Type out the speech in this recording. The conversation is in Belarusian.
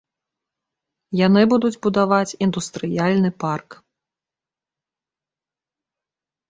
Яны будуць будаваць індустрыяльны парк.